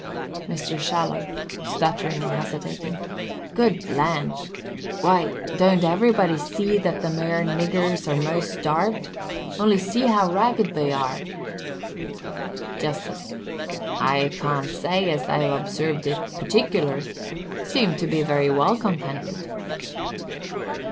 Mr. Shallow. [Stuttering and hesitating.] Good land! why, don't everybody see that them ar niggers are most starved? Only see how ragged they are! Justice. I can't say as I've observed it particular. Seem to be very well contented.